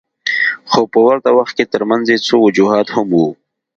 خو په ورته وخت کې ترمنځ یې څو وجوهات هم وو.